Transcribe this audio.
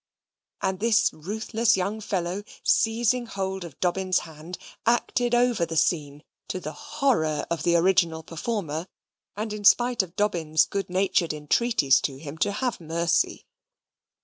And this ruthless young fellow, seizing hold of Dobbin's hand, acted over the scene, to the horror of the original performer, and in spite of Dobbin's good natured entreaties to him to have mercy.